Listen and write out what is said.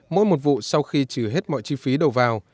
mỗi một vụ sau khi trừ hết mọi chi phí đầu vào